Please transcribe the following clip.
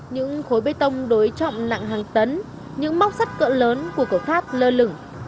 những khối bê tông đối trọng nặng hàng tấn những móc sắt cỡ lớn của cầu tháp lơ lửng